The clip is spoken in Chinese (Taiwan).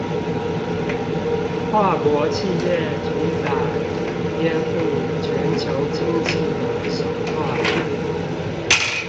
跨國企業主宰與顛覆全球經濟的手段